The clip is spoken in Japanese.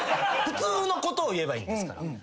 普通のことを言えばいいんですから。